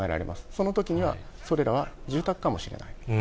そのときにはそれらは住宅かもしれない。